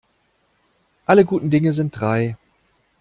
Alle guten Dinge sind drei.